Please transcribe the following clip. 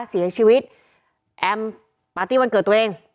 เสียชีวิตแอมปาร์ตี้วันเกิดตัวเอง